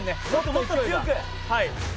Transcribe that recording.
もっと強く。